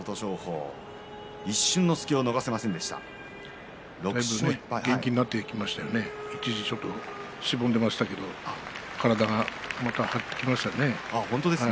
だいぶ元気になってきましたね、一時ちょっとしぼんでいましたけれどもまた体が張ってきましたね。